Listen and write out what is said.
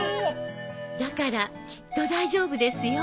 だからきっと大丈夫ですよ。